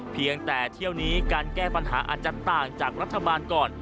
เพียงแต่เที่ยวนี้การแก้ปัญหาอาจจะต่างจากรัฐบาลก่อน